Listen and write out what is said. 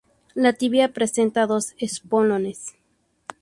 La tibia presenta dos espolones.